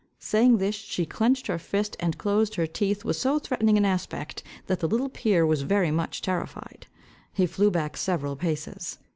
Saying this, she clenched her fist, and closed her teeth, with so threatening an aspect, that the little peer was very much terrified. He flew back several paces.